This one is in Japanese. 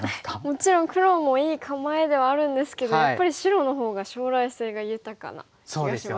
もちろん黒もいい構えではあるんですけどやっぱり白の方が将来性が豊かな気がしますね。